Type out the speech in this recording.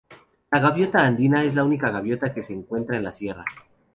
La gaviota andina es la única gaviota que se encuentra en la sierra.